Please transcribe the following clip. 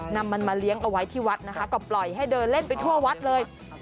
นำมันมาเลี้ยงเอาไว้ที่วัดนะคะก็ปล่อยให้เดินเล่นไปทั่ววัดเลย